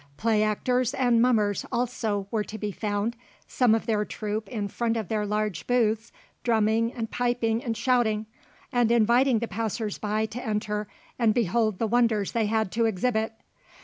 Play actors and mummers also were to be found, some of their troupe in front of their large booths drumming and piping and shouting, and inviting the passers by to enter and behold the wonders they had to exhibit.